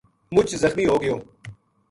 مُچ زخمی ہو گیو